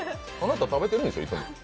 あなた食べてるんでしょう？